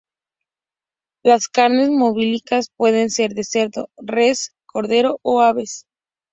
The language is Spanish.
Las carnes molidas pueden ser de cerdo, res, cordero o aves.